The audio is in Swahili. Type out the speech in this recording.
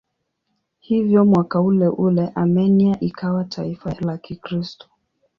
Hivyo mwaka uleule Armenia ikawa taifa la Kikristo.